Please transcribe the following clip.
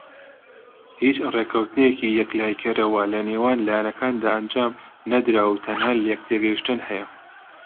هیچ ڕێککەوتنێکی یەکلایی کەرەوە لەنێوان لایەنەکاندا ئەنجام نەدراوە و تەنها لێکتێگەیشتن هەیە.